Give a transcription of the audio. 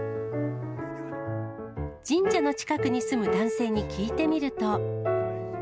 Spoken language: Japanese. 神社の近くに住む男性に聞いてみると。